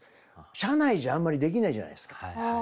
車内じゃあんまりできないじゃないですか。